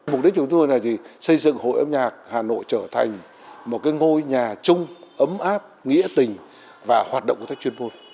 mục đích chúng tôi là xây dựng hội âm nhạc hà nội trở thành một ngôi nhà chung ấm áp nghĩa tình và hoạt động công tác chuyên môn